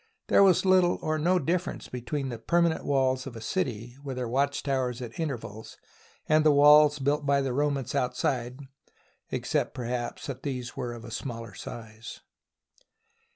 There was little or no difference between the permanent walls of a city, with their watch towers at intervals, and the walls built by the Romans outside, except, perhaps, that these were of smaller size.